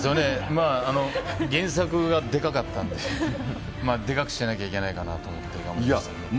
まあ、原作がでかかったんで、でかくしなきゃいけないかなと思って頑張りましたけど。